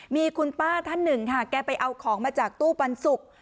มีคุณป้าท่านหนึ่งค่ะแกไปเอาของมาจากตู้ปันสุก